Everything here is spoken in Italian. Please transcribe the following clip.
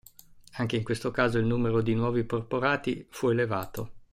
Anche in questo caso il numero di nuovi porporati fu elevato.